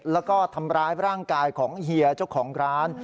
แล้วก็ทำร้ายร่างกายของเฮียเจ้าของร้าน